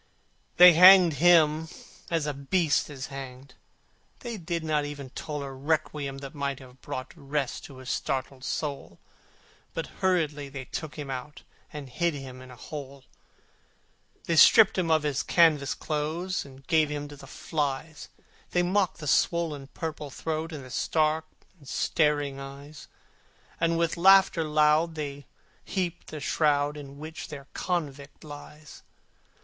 They hanged him as a beast is hanged: They did not even toll A requiem that might have brought Rest to his startled soul, But hurriedly they took him out, And hid him in a hole. The warders stripped him of his clothes, And gave him to the flies: They mocked the swollen purple throat, And the stark and staring eyes: And with laughter loud they heaped the shroud In which the convict lies.